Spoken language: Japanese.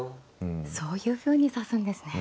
そういうふうに指すんですね。